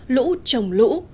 lũ trồng lũ